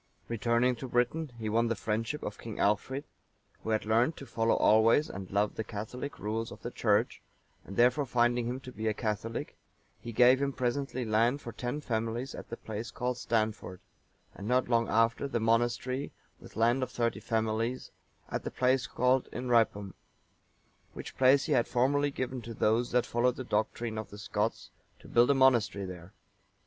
Returning to Britain, he won the friendship of King Alchfrid,(902) who had learnt to follow always and love the catholic rules of the Church; and therefore finding him to be a Catholic, he gave him presently land of ten families at the place called Stanford;(903) and not long after, the monastery, with land of thirty families, at the place called Inhrypum;(904) which place he had formerly given to those that followed the doctrine of the Scots, to build a monastery there.